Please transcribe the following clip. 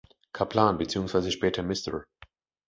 Kaplan beziehungsweise später Mr.